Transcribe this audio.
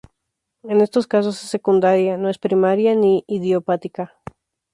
En estos casos es secundaria: no es primaria, ni idiopática.